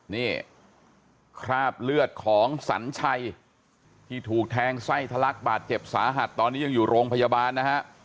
นี่คราบเลือดของสัญชัยที่ถูกแทงไส้ทะลักบาดเจ็บสาหัสตอนนี้ยังอยู่โรงพยาบาลนะฮะ